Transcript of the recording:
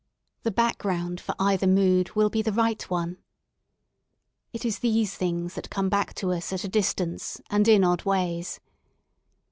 The background for either mood will be the right one. It is these things that come back to OS at a distance and in odd ways.